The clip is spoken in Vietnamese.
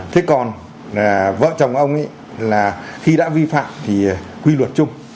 thế còn vợ chồng ông ấy là khi đã vi phạm thì quy luật chung